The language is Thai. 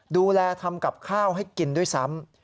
ดูแลทำกับข้าวให้กินด้วยซ้ำ